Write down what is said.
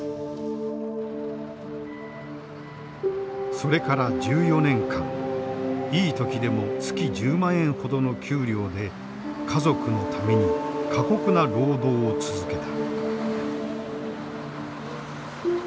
それから１４年間いい時でも月１０万円ほどの給料で家族のために過酷な労働を続けた。